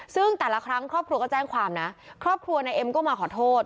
ซึ่งแต่ละครั้งครอบครัวก็แจ้งความนะครอบครัวนายเอ็มก็มาขอโทษ